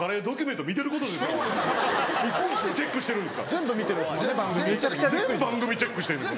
全番組チェックしてる。